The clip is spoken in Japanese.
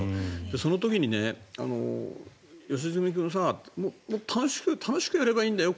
その時に、良純君さ楽しくやればいいんだよ